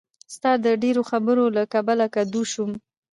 ستا د ډېرو خبرو له کبله کدو شوم.